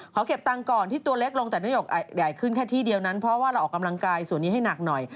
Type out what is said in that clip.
ขอเก็บตังค์ก่อนที่ตัวเล็กลงแต่น้ำหยกใหญ่ขึ้นแค่ที่เดียวนั้นเพราะว่าเราออกกำลังกายส่วนนี้ให้หนักหน่อย